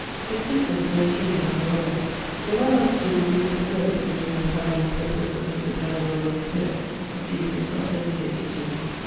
His sisters were ingeniose and well bred; they well understood the use of the globes, as you may find in the preface of Mr. Blundevill of the Sphaere: see if it is not dedicated to them.